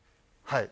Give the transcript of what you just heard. はい。